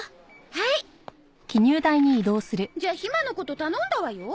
じゃあひまのこと頼んだわよ。